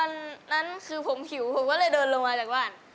วันนั้นคือผมหิวผมก็เลยเดินลงมาจากบ้าน